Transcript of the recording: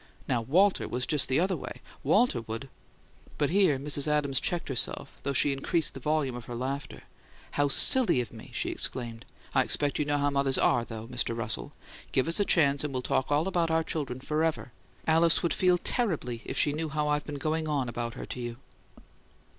Now, Walter was just the other way. Walter would " But here Mrs. Adams checked herself, though she increased the volume of her laughter. "How silly of me!" she exclaimed. "I expect you know how mothers ARE, though, Mr. Russell. Give us a chance and we'll talk about our children forever! Alice would feel terribly if she knew how I've been going on about her to you."